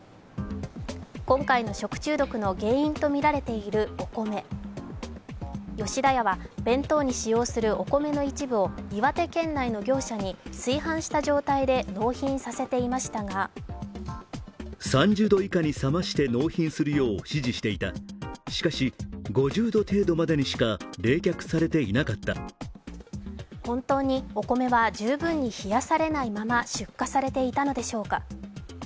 今回の食中毒の原因とみられているお米、吉田屋は弁当に使用するお米の一部を岩手県内の業者に炊飯した状態で納品させていましたが本当にお米は十分に冷やされないまま出荷されていたのでしょうか。